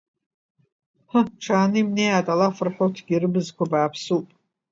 Ҳы, ҽааны имнеиааит, алаф рҳәоҭгьы, рыбзқәа бааԥсуп!